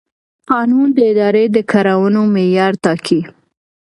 قانون د ادارې د کړنو معیار ټاکي.